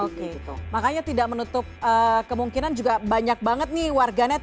oke makanya tidak menutup kemungkinan juga banyak banget nih warganet